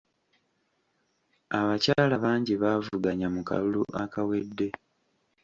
Abakyala bangi baavuganya mu kalulu ekawedde.